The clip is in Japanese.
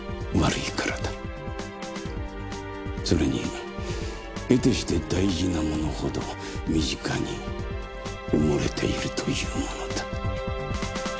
それに得てして大事なものほど身近に埋もれているというものだ。